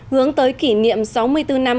hướng tới kỷ niệm sáu mươi bốn năm